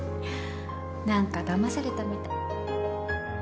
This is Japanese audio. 何かだまされたみたい。